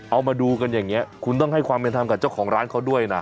เอามาดูกันอย่างนี้คุณต้องให้ความเป็นธรรมกับเจ้าของร้านเขาด้วยนะ